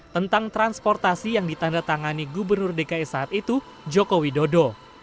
tentang transportasi yang ditandatangani gubernur dki saat itu joko widodo